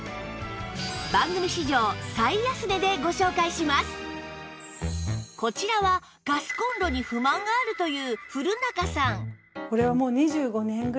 しかもこちらはガスコンロに不満があるという古仲さん